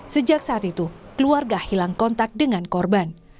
sejak saat itu keluarga hilang kontak dengan korban